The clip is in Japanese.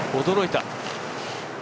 驚いた！